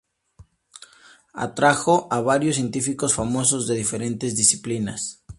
Atrajo a varios científicos famosos de diferentes disciplinas.